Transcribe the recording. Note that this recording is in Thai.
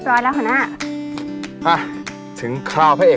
ฉันจะตัดพ่อตัดลูกกับแกเลย